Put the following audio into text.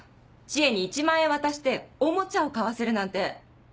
知恵に１万円渡しておもちゃを買わせるなんて。